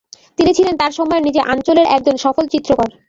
তিনি ছিলেন তার সময়ের নিজে আঞ্চলের একজন সফল চিত্রকর।